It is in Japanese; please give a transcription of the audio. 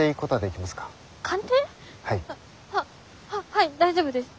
ははい大丈夫です。